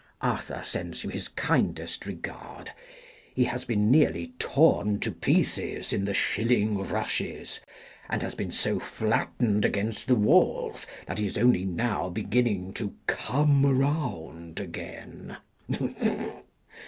Arthur sends you his kindest regard. He has been nearly torn to pieces in the shilling rushes, and has 246 CHARLES DICKENS AS EDITOR. [1858 been so flattened against the walls that he is only now beginning to " come round " again.